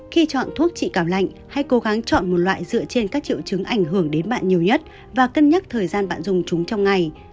khi chọn thuốc trị cảo lạnh hay cố gắng chọn một loại dựa trên các triệu chứng ảnh hưởng đến bạn nhiều nhất và cân nhắc thời gian bạn dùng chúng trong ngày